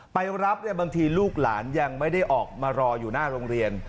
ไปรับเนี่ยบางทีลูกหลานยังไม่ได้ออกมารออยู่หน้าโรงเรียน